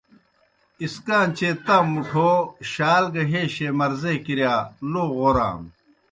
اسکان٘چیئے تام مُٹھوٗ شال گہ ہَیشے مرضے کِرِیا لو غورانوْ۔